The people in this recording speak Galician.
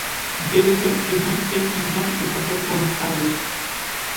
Debe ser que non teñen nada que facer polas tardes.